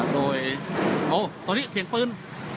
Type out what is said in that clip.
โดยโอ๊ยก็สอดนี้เสียงปืน